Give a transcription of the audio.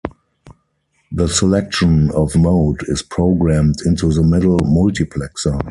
The selection of mode is programmed into the middle multiplexer.